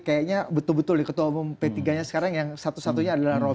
kayaknya betul betul ketua umum p tiga nya sekarang yang satu satunya adalah roby